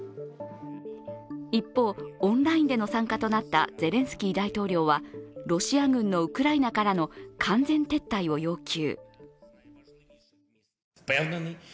一方、オンラインでの参加となったゼレンスキー大統領はロシア軍のウクライナからの完全撤退を要求。